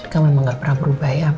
kita memang gak pernah berubah ya